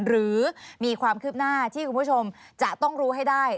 หรือมีความคืบหน้าที่คุณผู้ชมจะต้องรู้ให้ได้